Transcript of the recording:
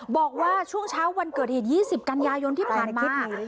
บอกว่าช่วงเช้าวันเกิดเหตุ๒๐กันยายนที่ผ่านมา